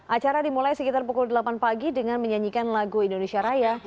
acara dimulai sekitar pukul delapan pagi dengan menyanyikan lagu indonesia raya